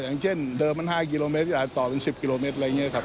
อย่างเช่นเดิม๕กิโลเมตรอาจจะต่อเป็น๑๐กิโลเมตร